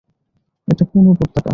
এটা কোন উপত্যকা?